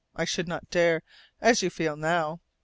I should not dare, as you feel now.